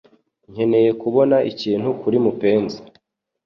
Nkeneye kubona ikintu kuri mupenzi